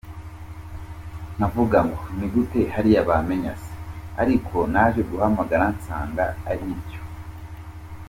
Nkavuga ngo ni gute hariya bamenya se ? Ariko naje guhamagara nsanga ari byo.